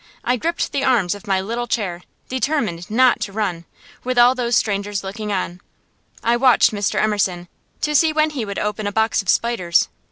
I gripped the arms of my little chair, determined not to run, with all those strangers looking on. I watched Mr. Emerson, to see when he would open a box of spiders.